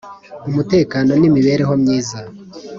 umutekano n imibereho myiza